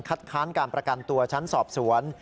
ค้านการประกันตัวชั้นสอบสวน